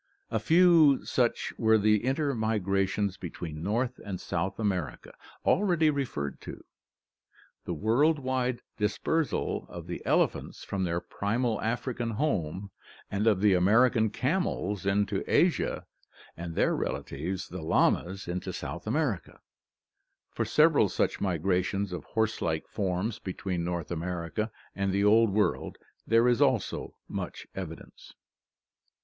A few suqh were the intermigrations between North and South America, already referred to; the world wide dispersal of the elephants from their primal African home, and of the American camels into Asia, and their relatives, the llamas, into South America. For several such migrations of horse like forms between North America and the Old World there is also much evidence.